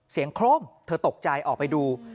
เสียงคล้มเธอตกใจออกไปดู